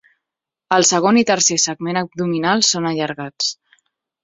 El segon i tercers segments abdominals són allargats.